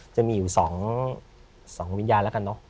จะมีอยู่๒วิญญาณแล้วกันเนอะ